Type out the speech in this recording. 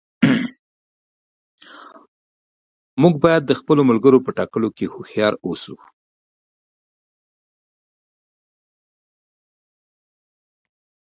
موږ باید د خپلو ملګرو په ټاکلو کې هوښیار اوسو.